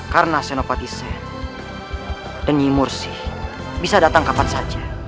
karena senopatisen dan nyimursi bisa datang kapan saja